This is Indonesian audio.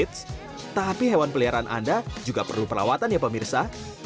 eits tapi hewan peliharaan anda juga perlu perawatan ya pemirsa